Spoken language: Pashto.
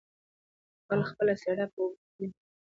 ـ غل خپله څېره په اوبو کې ويني.